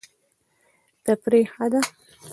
تفریح ښه دی.